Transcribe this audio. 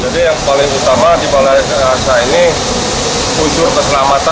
jadi yang paling utama di balai yasa ini kuncur keselamatan